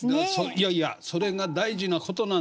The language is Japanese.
いやいやそれが大事なことなんです。